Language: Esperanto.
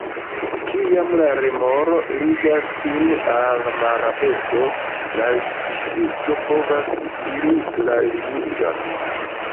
Kiam la remoro ligas sin al mara besto, la fiŝisto povas tiri la linion.